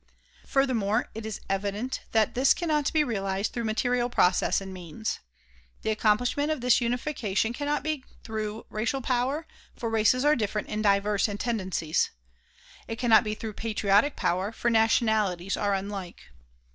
Furthermore, it is evident that this cannot be realized through material process and means. The accomplishment of this unification cannot be through racial power, for races are different and diverse in tendencies. It cannot be through patriotic power, for nationalities are unlike.